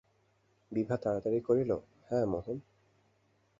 বিভা তাড়াতাড়ি কহিল, হাঁ, মোহন।